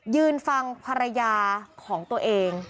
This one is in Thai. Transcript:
ยืนฟังภรรยาของตัวเอง